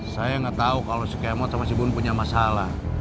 saya nggak tahu kalau si kemot sama si bu bun punya masalah